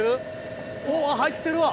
おぉ入ってるわ！